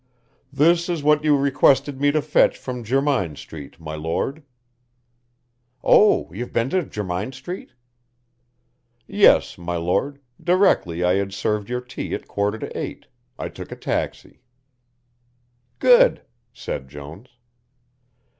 "This is what you requested me to fetch from Jermyn Street, my Lord." "Oh, you've been to Jermyn Street?" "Yes, my Lord, directly I had served your tea at quarter to eight, I took a taxi." "Good!" said Jones.